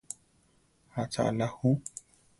¿Acha alá ju?